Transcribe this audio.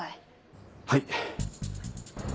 はい。